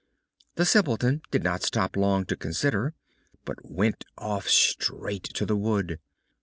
The Simpleton did not stop long to consider, but went off straight to the wood.